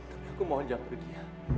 tapi aku mohon jangan pergi